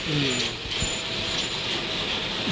อืม